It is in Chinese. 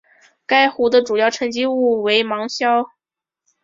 该湖的主要沉积物为芒硝。